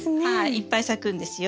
いっぱい咲くんですよ。